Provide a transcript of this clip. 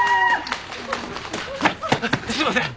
すいません！